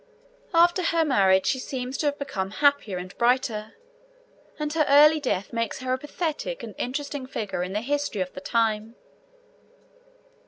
After her marriage she seems to have become happier and brighter, and her early death makes her a pathetic and interesting figure in the history of the time.